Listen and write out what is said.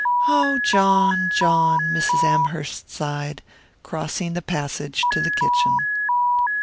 "Oh, John, John!" Mrs. Amherst sighed, crossing the passage to the kitchen.